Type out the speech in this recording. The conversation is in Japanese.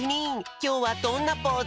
きょうはどんなポーズ？